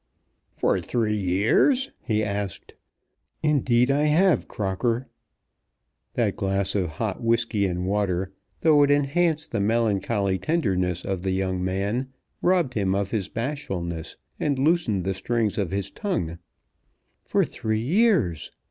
"For three years?" he asked. "Indeed I have, Crocker." That glass of hot whiskey and water, though it enhanced the melancholy tenderness of the young man, robbed him of his bashfulness, and loosened the strings of his tongue. "For three years!